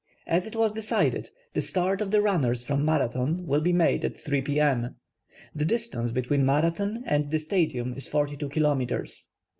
As it was decided the start of the runners from Marathon will be made at 3 p. ni. The distance between Marathon and the Stadium is 42 kilometers.